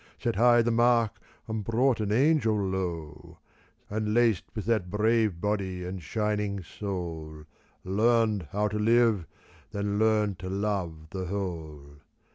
Set high the mark and brought an angel low, And laced with that brave body and shining soul Learnt how to Hve, then learnt to love the whole.